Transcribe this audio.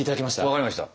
分かりました。